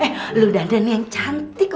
eh lu dandan yang cantik